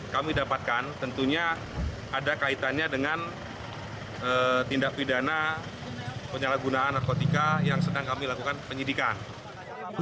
kami dapatkan tentunya ada kaitannya dengan tindak pidana penyalahgunaan narkotika yang sedang kami lakukan penyidikan